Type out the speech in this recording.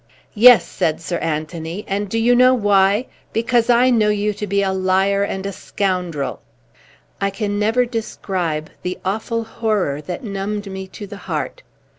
"Yes," said Sir Anthony. "And do you know why? Because I know you to be a liar and a scoundrel." I can never describe the awful horror that numbed me to the heart.